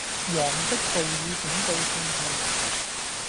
黃色暴雨警告信號